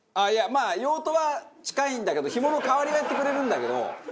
まあ用途は近いんだけど紐の代わりをやってくれるんだけど。